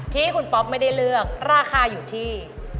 ที่คุณป๊อปไม่ได้เลือกราคาอยู่ที่